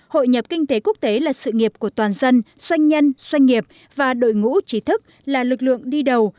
hội nhập kinh tế quốc tế là sự nghiệp của toàn dân doanh nhân doanh nghiệp và đội ngũ trí thức là lực lượng đi đầu